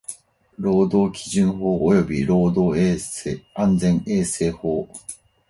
労働基準法及び労働安全衛生法